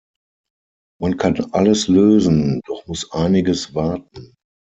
Man kann alles lösen, doch muss einiges warten.